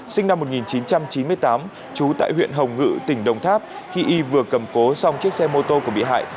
sinh năm một nghìn chín trăm chín mươi tám trú tại huyện hồng ngự tỉnh đồng tháp khi y vừa cầm cố xong chiếc xe mô tô của bị hại